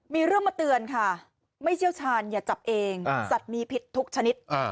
มีเรื่องมาเตือนค่ะไม่เชี่ยวชาญอย่าจับเองสัตว์มีพิษทุกชนิด